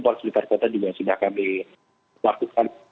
polisi di sekitar kota juga sudah akan dilakukan